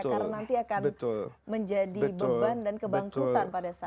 karena nanti akan menjadi beban dan kebangkutan pada saat